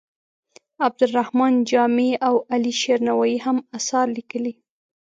عبدالرحمان جامي او علي شیر نوایې هم اثار لیکلي.